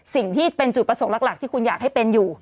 สิ่งที่เป็นจุดประสงค์หลักที่คุณอยากให้เป็นอยู่